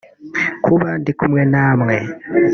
kuba ndi kumwe na mwe